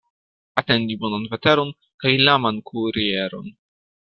Atendi bonan veteron kaj laman kurieron.